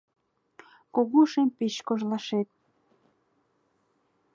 Кугу шем пич кожлашет